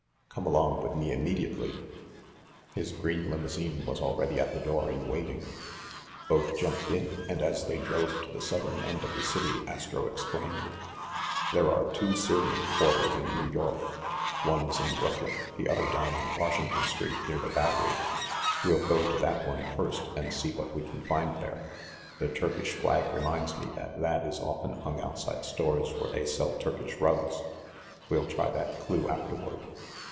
Come along with me im mediately." His green limousine was already at the door in waiting. Both jumped in, and as they drove to the southern end of the city Astro explained : "There are two Syrian quarters in New York. One is in Brooklyn, the other down on Washington Street, near the Battery. We'll go to that one first, and see what we can find there. The Turkish flag reminds me that that is often hung outside stores where they sell Turkish rugs. We'll try that clue afterward."